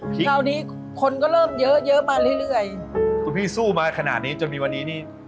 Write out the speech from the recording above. คราวนี้คนก็เริ่มเยอะเยอะมาเรื่อยเรื่อยคุณพี่สู้มาขนาดนี้จนมีวันนี้นี่